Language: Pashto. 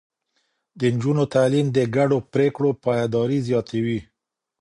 د نجونو تعليم د ګډو پرېکړو پايداري زياتوي.